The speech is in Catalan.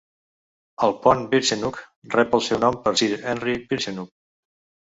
El pont Birchenough rep el seu nom per Sir Henry Birchenough.